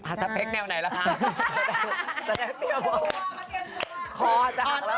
หาสเปกแนวไหนละคะ